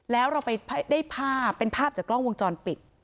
แล้วเราไปได้ภาพเป็นภาพจากกล้องวงจรปิด